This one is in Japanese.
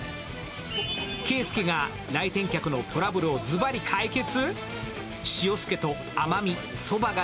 啓介が来店客のトラブルをズバリ解決？